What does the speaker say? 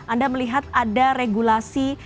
anda melihat ada regulasi